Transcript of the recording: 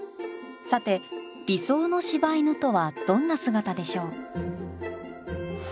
さて理想の柴犬とはどんな姿でしょう。